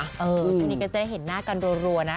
ช่วงนี้ก็จะได้เห็นหน้ากันรัวนะ